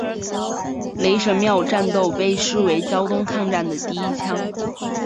雷神庙战斗被视为胶东抗战的第一枪。